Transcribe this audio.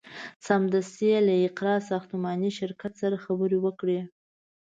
سمدستي یې له اقراء ساختماني شرکت سره خبرې وکړې.